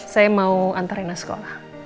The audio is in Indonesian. saya mau antar rina sekolah